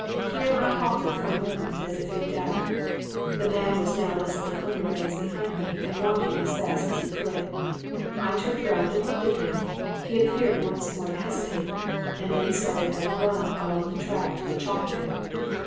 Here I halted for a moment as if in doubt. The man was now less than a hundred yards behind me and walking as fast as he could. I turned round and looked at him, he appeared once more to hesitate, and then started at a run along the track to the chalk pit.